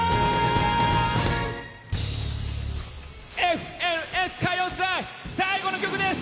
「ＦＮＳ歌謡祭」最後の曲です！